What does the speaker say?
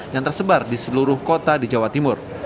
yang tersebar di seluruh kota di jawa timur